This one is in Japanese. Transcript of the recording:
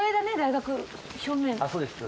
そうですね。